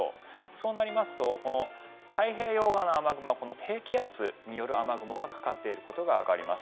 そうなりますと太平洋側の雨雲はこの低気圧による雨雲がかかっていることがわかります。